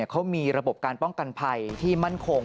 เขามีระบบการป้องกันภัยที่มั่นคง